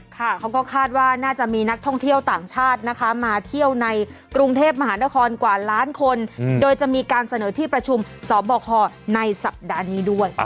เขาก็คาดว่าน่าจะมีนักท่องเที่ยวต่างชาตินะคะมาเที่ยวในกรุงเทพมหานครกว่าล้านคนโดยจะมีการเสนอที่ประชุมสบคในสัปดาห์นี้ด้วย